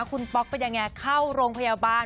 คุณป๊อกเป็นยังไงเข้าโรงพยาบาล